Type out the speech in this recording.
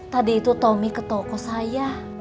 tadi itu tomy ketoko saya